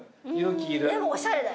でもおしゃれだよ。